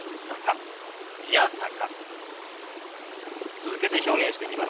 続けて表現してみます。